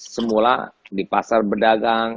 semula di pasar berdagang